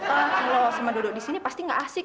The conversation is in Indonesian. eh kalo sama dodo di sini pasti gak asik